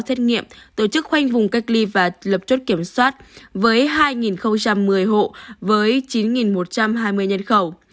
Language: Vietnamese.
xét nghiệm tổ chức khoanh vùng cách ly và lập chốt kiểm soát với hai một mươi hộ với chín một trăm hai mươi nhân khẩu